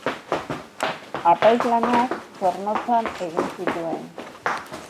Apaiz lanak Zornotzan egin zituen.